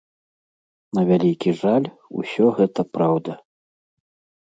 На вялікі жаль, усё гэта праўда.